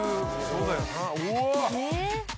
うわ！